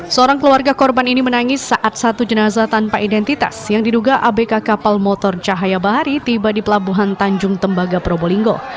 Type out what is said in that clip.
seorang keluarga korban ini menangis saat satu jenazah tanpa identitas yang diduga abk kapal motor cahaya bahari tiba di pelabuhan tanjung tembaga probolinggo